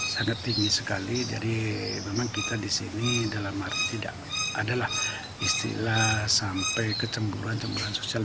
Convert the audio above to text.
sangat tinggi sekali jadi memang kita di sini dalam arti tidak adalah istilah sampai kecemburan cemburan sosial